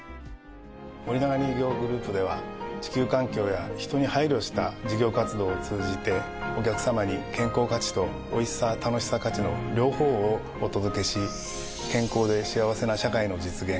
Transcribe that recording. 森永乳業グループでは地球環境や人に配慮した事業活動を通じてお客様に「健康価値」と「おいしさ・楽しさ価値」の両方をお届けし健康で幸せな社会の実現